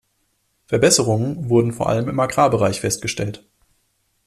Verbesserungen wurden vor allem im Agrarbereich festgestellt.